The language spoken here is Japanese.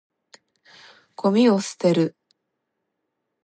ゴミを捨てる。